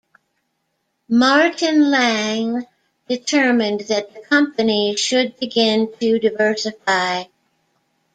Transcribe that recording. Martin Laing determined that the company should begin to diversify.